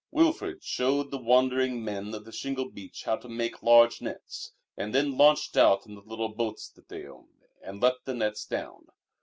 Wilfrid showed the wondering Men of the Shingle Beach how to make large nets and then launched out in the little boats that they owned, and let the nets down.